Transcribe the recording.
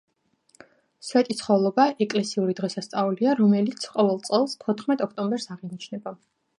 სვეტიცხოვლობა ეკლესიური დღესასწაულია რომელც ყოველ წელს თოთხმეტ ოქტომბერს აღინიშნება